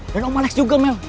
dan om alex juga mel